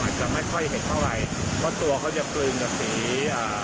อาจจะไม่ค่อยเห็นเท่าไหร่เพราะตัวเขาจะกลืนกับสีอ่า